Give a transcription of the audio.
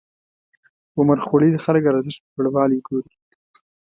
عمرخوړلي خلک ارزښت لوړوالی ګوري.